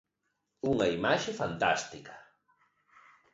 ¡Unha imaxe fantástica!